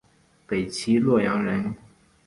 北齐洛阳人。